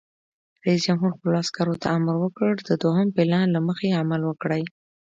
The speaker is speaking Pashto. رئیس جمهور خپلو عسکرو ته امر وکړ؛ د دوهم پلان له مخې عمل وکړئ!